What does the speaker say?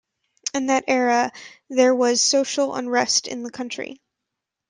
In that era, there was social unrest in the country.